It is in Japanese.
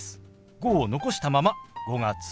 「５」を残したまま「５月９日」。